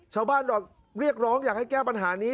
ชาวบ้านบอกเรียกร้องอยากให้แก้ปัญหานี้